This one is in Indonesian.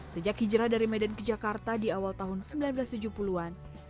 sejak hijrah dari medan ke jakarta di awal tahun seribu sembilan ratus tujuh puluh an